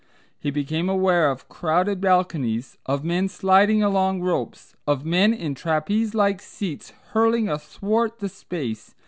He became aware of crowded balconies, of men sliding along ropes, of men in trapeze like seats hurling athwart the space.